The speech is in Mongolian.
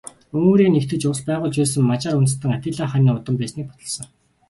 Унгарыг нэгтгэж улс байгуулж байсан Мажар үндэстэн Атилла хааны удам байсныг баталсан.